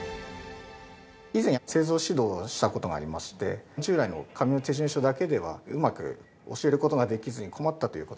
以前製造指導をした事がありまして従来の紙の手順書だけではうまく教える事ができずに困ったという事がありまして。